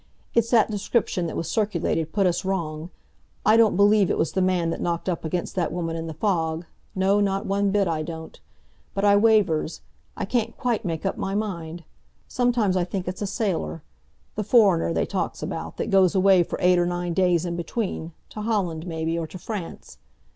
It's that description that was circulated put us wrong. I don't believe it was the man that knocked up against that woman in the fog—no, not one bit I don't. But I wavers, I can't quite make up my mind. Sometimes I think it's a sailor—the foreigner they talks about, that goes away for eight or nine days in between, to Holland maybe, or to France.